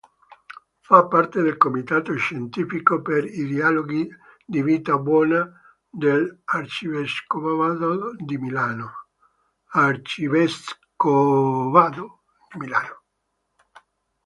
Fa parte del Comitato Scientifico per i Dialoghi Di Vita Buona dell’Arcivescovado di Milano.